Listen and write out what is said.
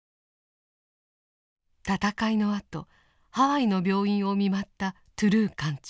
戦いのあとハワイの病院を見舞ったトゥルー艦長。